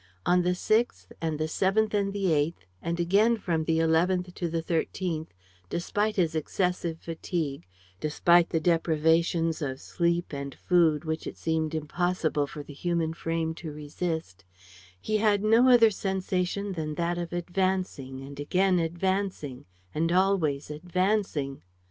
On the 6th and the 7th and the 8th and again from the 11th to the 13th, despite his excessive fatigue, despite the deprivations of sleep and food which it seemed impossible for the human frame to resist, he had no other sensation than that of advancing and again advancing and always advancing.